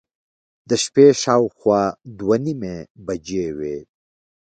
د شپې شاوخوا دوه نیمې بجې وې.